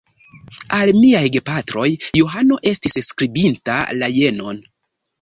Al miaj gepatroj Johano estis skribinta la jenon: